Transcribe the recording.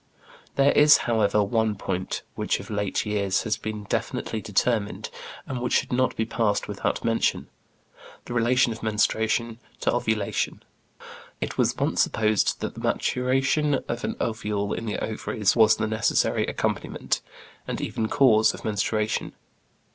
There is, however, one point which of late years has been definitely determined, and which should not be passed without mention: the relation of menstruation to ovulation. It was once supposed that the maturation of an ovule in the ovaries was the necessary accompaniment, and even cause, of menstruation.